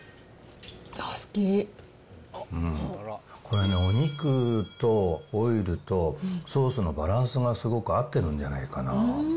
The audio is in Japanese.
これね、お肉とオイルと、ソースのバランスがすごく合ってるんじゃないかな。